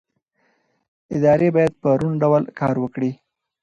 ادارې باید په روڼ ډول کار وکړي